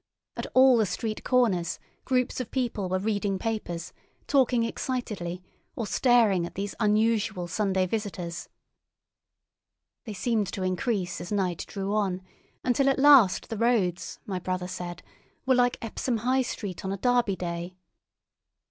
At all the street corners groups of people were reading papers, talking excitedly, or staring at these unusual Sunday visitors. They seemed to increase as night drew on, until at last the roads, my brother said, were like Epsom High Street on a Derby Day.